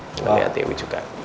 nanti aku lihat dewi juga